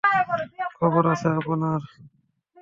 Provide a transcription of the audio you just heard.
খবর আছে আপনার!